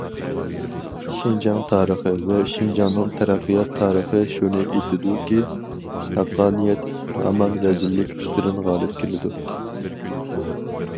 شىنجاڭ تارىخى ۋە شىنجاڭنىڭ تەرەققىيات تارىخى شۇنى ئېيتىدۇكى، ھەققانىيەت ھامان رەزىللىك ئۈستىدىن غالىب كېلىدۇ.